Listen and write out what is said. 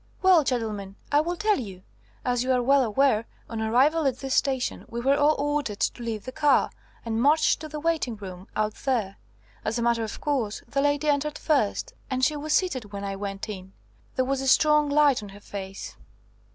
"Well, gentlemen, I will tell you. As you are well aware, on arrival at this station we were all ordered to leave the car, and marched to the waiting room, out there. As a matter of course, the lady entered first, and she was seated when I went in. There was a strong light on her face."